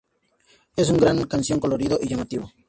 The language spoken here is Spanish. Es una gran canción, colorido y llamativo!